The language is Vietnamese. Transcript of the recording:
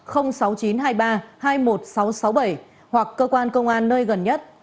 hoặc cơ quan công an nơi gần nhất